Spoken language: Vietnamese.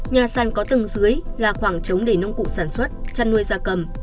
nhà sàn có tầng dưới là khoảng trống để nông cụ sản xuất chăn nuôi gia cầm